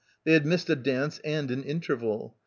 They had missed a dance and an interval.